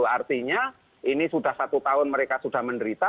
artinya ini sudah satu tahun mereka sudah menderita